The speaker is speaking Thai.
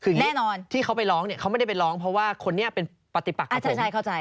คือแน่นอนที่เขาไปร้องเนี่ยเขาไม่ได้ไปร้องเพราะว่าคนนี้เป็นปฏิปักใจ